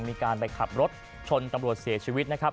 มีการไปขับรถชนตำรวจเสียชีวิตนะครับ